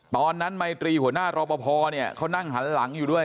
ตอนนั้นมัยตรีผู้หรือหน้ารอปภเนี่ยเขานั่งหันหลังอยู่ด้วย